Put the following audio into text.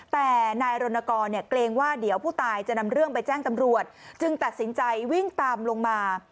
แต่นายรณกรเนี่ยเกรงว่าเดี๋ยวผู้ตายจะนำเรื่องไปแจ้งตำรวจจึงตัดสินใจวิ่งตามลงมา